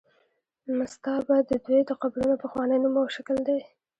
مستابه د دوی د قبرونو پخوانی نوم او شکل دی.